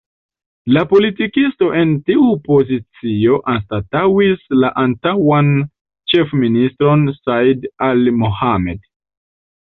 La politikisto en tiu pozicio anstataŭis la antaŭan ĉefministron Said Ali Mohamed.